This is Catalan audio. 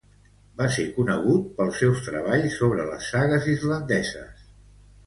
Va ser conegut pels seus treballs sobre les sagues islandeses.